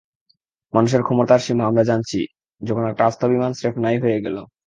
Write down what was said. মানুষের ক্ষমতার সীমা আমরা জানছি, যখন আস্ত একটা বিমান স্রেফ নাই হয়ে গেল।